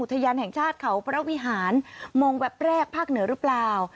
ทะยานแห่งชาติเขาพระวิหารมองแวบแรกภาคเหนือหรือเปล่า